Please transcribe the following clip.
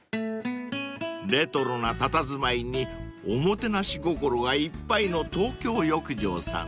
［レトロなたたずまいにおもてなし心がいっぱいの東京浴場さん］